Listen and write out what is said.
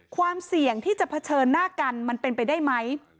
ความเสี่ยงที่จะเผชิญหน้ากันมันเป็นไปได้ไหม